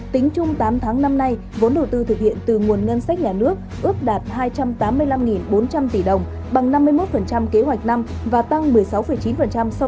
tính chung tám tháng năm nay vốn đầu tư thực hiện từ nguồn ngân sách nhà nước ước đạt hai trăm tám mươi năm bốn trăm linh tỷ đồng bằng năm mươi một kế hoạch năm và tăng một mươi sáu chín so với năm